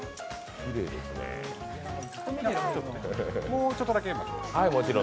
もうちょっとだけ。